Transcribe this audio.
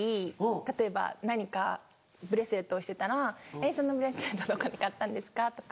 例えば何かブレスレットをしてたら「そのブレスレットどこで買ったんですか？」とか。